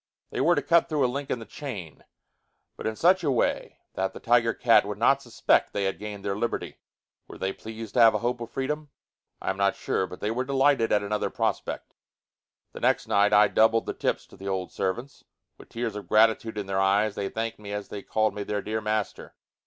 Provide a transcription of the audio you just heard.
They were to cut through a link in the chain, but in such a way that the Tiger Cat would not suspect that they had gained their liberty. Were they pleased to have a hope of freedom? I am not sure, but they were delighted at another prospect. The next night I doubled the tips to the old servants. With tears of gratitude in their eyes, they thanked me as they called me their dear master.